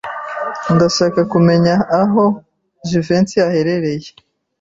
Ndashaka kumenya aho Jivency aherereye.